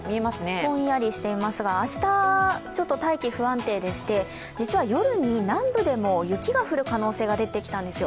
ぼんやりしていますが明日、ちょっと大気、不安定でして実は夜に南部でも雪が降る可能性が出てきたんですよ。